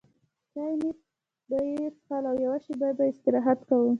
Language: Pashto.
چای مای به یې څښل او یوه شېبه به یې استراحت کاوه.